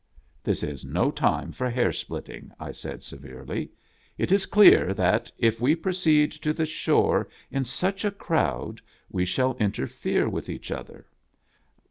" This is no time for hair splitting," I said severely. " It is clear that, if we proceed to the shore in such a crowd we shall interfere with each other.